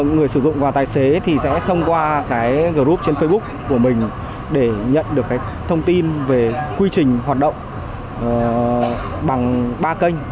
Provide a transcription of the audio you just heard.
người sử dụng và tài xế sẽ thông qua group trên facebook của mình để nhận được thông tin về quy trình hoạt động bằng ba kênh